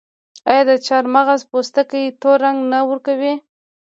آیا د چارمغز پوستکي تور رنګ نه ورکوي؟